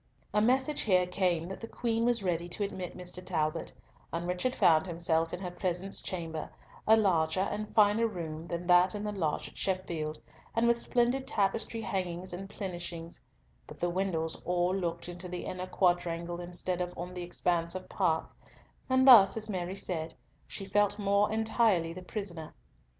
A message here came that the Queen was ready to admit Mr. Talbot, and Richard found himself in her presence chamber, a larger and finer room than that in the lodge at Sheffield, and with splendid tapestry hangings and plenishings; but the windows all looked into the inner quadrangle, instead of on the expanse of park, and thus, as Mary said, she felt more entirely the prisoner.